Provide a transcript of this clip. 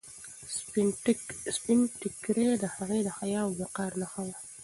سپین ټیکری د هغې د حیا او وقار نښه وه.